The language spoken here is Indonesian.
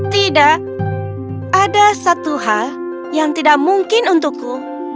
tidak ada satu hal yang tidak mungkin untukku